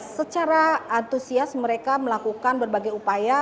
secara antusias mereka melakukan berbagai upaya